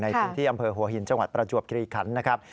ในพื้นที่อำเภอหัวหินจังหวัดประจวบคิริขันนะครับ